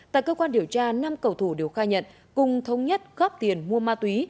tại cơ quan điều tra năm cầu thủ đều khai nhận cùng thống nhất góp tiền mua ma túy